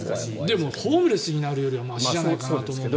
でもホームレスになるよりはましじゃないかなと思うんだけど。